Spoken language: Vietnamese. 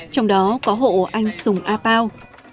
trong đó có hộ anh sùng a pao